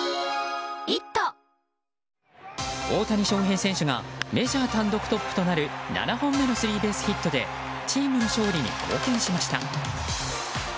大谷翔平選手がメジャー単独トップとなる７本目のスリーベースヒットでチームの勝利に貢献しました。